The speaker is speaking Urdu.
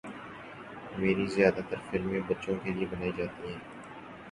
میری زیادہ تر فلمیں بچوں کیلئے بنائی جاتی ہیں